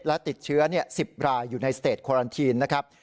และติดเชื้อ๑๐รายอยู่ในสเตจควอลันทีนนะครับ